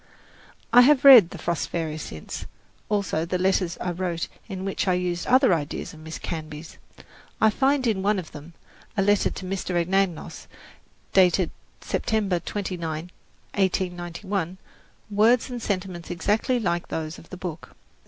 I have read "The Frost Fairies" since, also the letters I wrote in which I used other ideas of Miss Canby's. I find in one of them, a letter to Mr. Anagnos, dated September 29, 1891, words and sentiments exactly like those of the book.